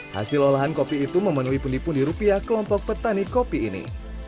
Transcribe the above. hasil olahan kopi itu memenuhi pundi pundi rupiah kelompok petani kopi ini